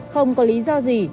không có lý do gì